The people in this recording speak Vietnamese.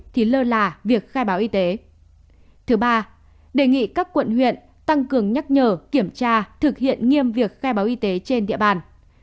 thứ ba đề nghị các quận huyện tăng cường nhắc nhở kiểm tra thực hiện nghiêm việc khai báo y tế trên địa bàn